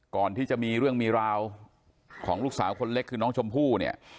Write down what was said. ก่อนที่จะมีเรื่องมีราวของลูกสาวคนเล็กคือน้องชมพู่เนี่ย